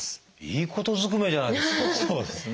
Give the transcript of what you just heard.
いいことずくめじゃないですか！